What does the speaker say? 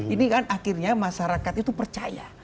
ini kan akhirnya masyarakat itu percaya